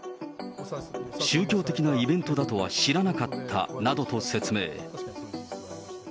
宗教的なイベントだとは知らなかったなどと説明。